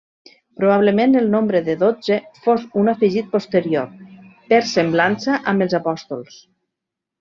Probablement el nombre de dotze fos un afegit posterior, per semblança amb els apòstols.